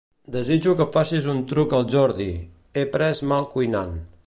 Desitjo que facis un truc al Jordi; he pres mal cuinant.